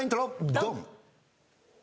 ドン！